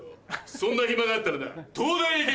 そんな暇があったらな東大へ行け！